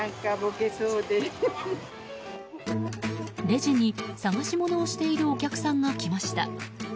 レジに探し物をしているお客さんが来ました。